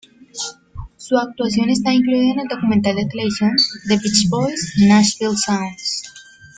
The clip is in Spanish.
Su actuación está incluida en el documental de televisión "The Beach Boys: Nashville Sounds".